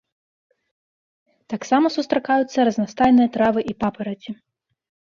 Таксама сустракаюцца разнастайныя травы і папараці.